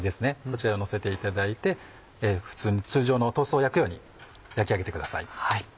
こちらにのせていただいて通常のトーストを焼くように焼き上げてください。